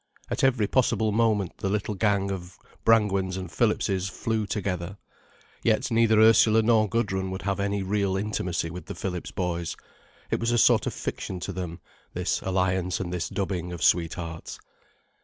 At every possible moment the little gang of Brangwens and Phillipses flew together. Yet neither Ursula nor Gudrun would have any real intimacy with the Phillips boys. It was a sort of fiction to them, this alliance and this dubbing of sweethearts.